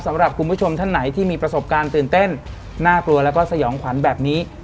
สำหรับคุณผู้ชมท่านไหนที่มีประสบการณ์ตื่นเต้นน่ากลัวแล้วก็สยองขวัญแบบนี้